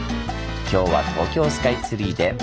今日は東京スカイツリーで「ブラタモリ」！